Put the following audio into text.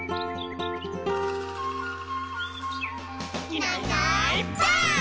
「いないいないばあっ！」